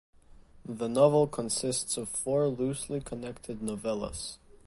The novel consists of four loosely connected novellas.